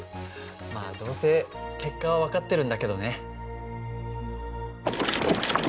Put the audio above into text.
まあどうせ結果は分かってるんだけどね。